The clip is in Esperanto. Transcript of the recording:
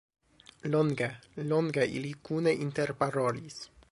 Longe, longe ili kune interparolis.